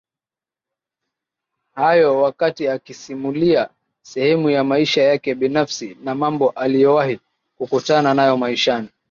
hayo wakati akisimulia sehemu ya maisha yake binafsi na mambo aliyowahi kukutana nayo maishani